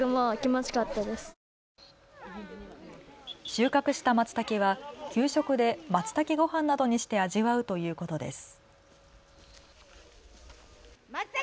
収穫したまつたけは給食でまつたけごはんなどにして味わうということです。